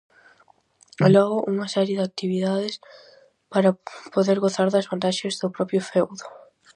E logo unha serie de actividades para poder gozar das vantaxes do propio feudo.